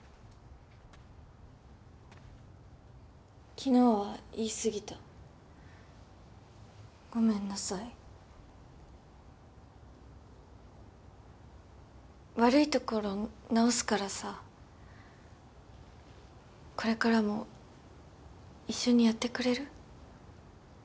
昨日は言いすぎたごめんなさい悪いところ直すからさこれからも一緒にやってくれる？